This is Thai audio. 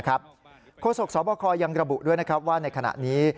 โฆษกสบคยังระบุด้วยว่าในขณะนี้